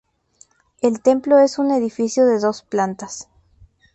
El templo es un edificio de dos plantas.